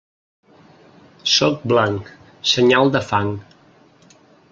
Sol blanc, senyal de fang.